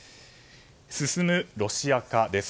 進むロシア化です。